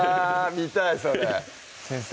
見たいそれ先生